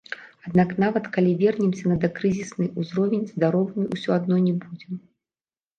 Аднак нават калі вернемся на дакрызісны ўзровень, здаровымі ўсё адно не будзем.